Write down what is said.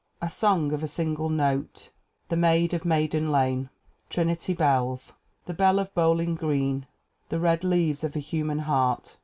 A Song of a Single Note. The Maid of Maiden Lane. Trinity Bells. The Belle of Bowling Green. The Red Leaves of a Human Heart.